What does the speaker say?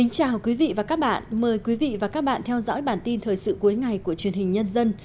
chào mừng quý vị đến với bản tin thời sự cuối ngày của truyền hình nhân dân